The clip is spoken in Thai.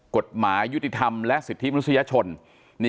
กฎหมายยุติธรรมและสิทธิมนุษยชน